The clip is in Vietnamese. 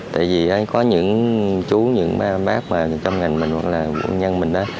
tại vì có những chú những bác trong ngành mình hoặc là bộ nhân mình đó